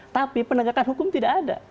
tapi penegakan hukum tidak ada